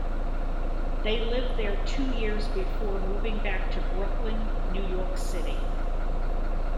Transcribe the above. They lived there two years before moving back to Brooklyn, New York City.